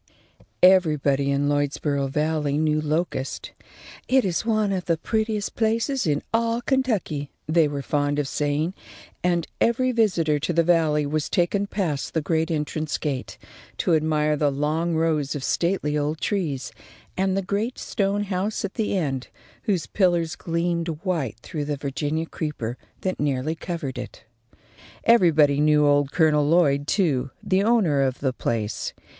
Everybody, in Lloydsboro Valley knew Locust. "It is one of the prettiest places in all Kentucky," they were fond of saying, and every visitor to the Valley was taken past the great entrance gate to admire the long rows of stately old trees, and the great stone house at the end, whose pillars gleamed white through the Virginia creeper that nearly covered it. Everybody knew old Colonel Lloyd, too, the owner of the place.